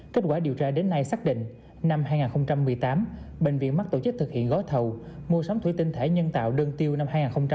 kết quả điều tra đến nay xác định năm hai nghìn một mươi tám bệnh viện mắt tổ chức thực hiện gói thầu mua sắm thủy tinh thể nhân tạo đơn tiêu năm hai nghìn một mươi tám